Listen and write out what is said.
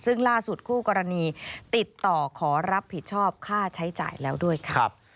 ซึ่งล่าสุดคู่กรณีติดต่อขอรับผิดชอบค่าใช้จ่ายแล้วด้วยค่ะ